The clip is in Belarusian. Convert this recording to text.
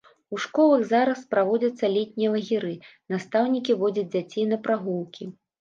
У школах зараз праводзяцца летнія лагеры, настаўнікі водзяць дзяцей на прагулкі.